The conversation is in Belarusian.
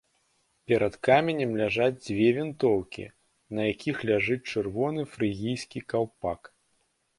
Перад каменем ляжаць дзве вінтоўкі, на якіх ляжыць чырвоны фрыгійскі каўпак.